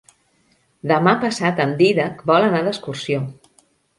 Demà passat en Dídac vol anar d'excursió.